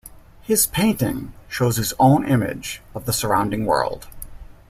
His painting shows his own image of the surrounding world.